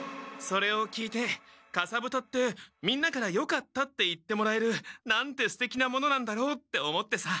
それを聞いてかさぶたってみんなから「よかった」って言ってもらえるなんてすてきなものなんだろうって思ってさ。